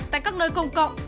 tại các nơi công cộng